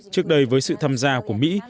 trước đây với sự tham gia của mỹ